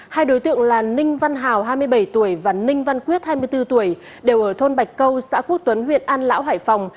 hai đối tượng là ninh văn hào hai mươi bảy tuổi và ninh văn quyết hai mươi bốn tuổi đều ở thôn bạch câu xã quốc tuấn huyện an lão hải phòng